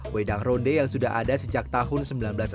wedang ronde ini dikawasan jenderal sudirman salatiga